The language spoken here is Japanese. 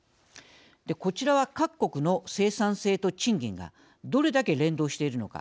こちらは、各国の生産性と賃金がどれだけ連動しているのか。